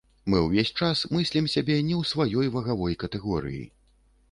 Мы ўвесь час мыслім сябе не ў сваёй вагавой катэгорыі.